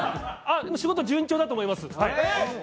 仕事、順調だと思います。